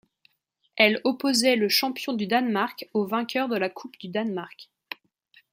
Elle opposait le champion du Danemark au vainqueur de la coupe du Danemark.